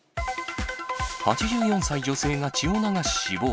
８４歳女性が血を流し死亡。